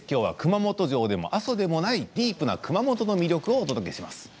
熊本城でも阿蘇でもないディープな熊本の魅力をお届けします。